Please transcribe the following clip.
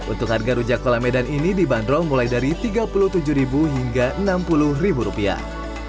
untuk harga rujak kolamedan ini dibanderol mulai dari tiga puluh tujuh hingga enam puluh rupiah